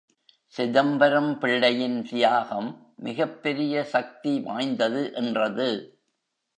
சிதம்பரம் பிள்ளையின் தியாகம் மிகப் பெரிய சக்தி வாய்ந்தது என்றது.